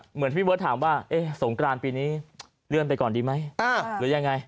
เหมือนพี่เบิร์ตถามว่าสงกรานปีนี้เลื่อนไปก่อนดีไหมหรือยังไง